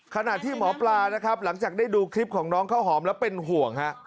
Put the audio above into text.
ขณะที่หมอปลานะครับหลังจากได้ดูคลิปของน้องข้าวหอมแล้วเป็นห่วงฮะ